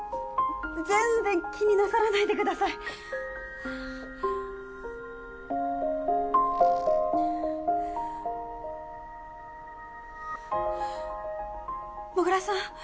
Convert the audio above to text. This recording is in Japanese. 全然気になさらないでくださいもぐらさん